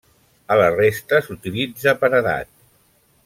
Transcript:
A la resta s'utilitza paredat.